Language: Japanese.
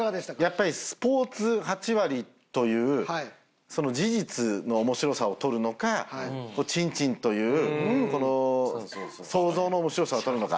やっぱり「スポーツ８割」というその事実の面白さを取るのか「チンチン」という想像の面白さを取るのか。